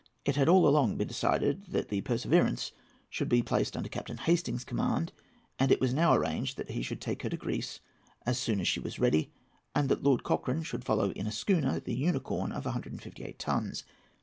It had been all along decided that the Perseverance should be placed under Captain Hastings's command; and it was now arranged that he should take her to Greece as soon as she was ready, and that Lord Cochrane should follow in a schooner, the Unicorn, of 158 tons.